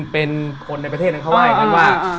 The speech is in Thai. เป็นคนในประเทศนั้นเขาว่าอย่างนั้นว่า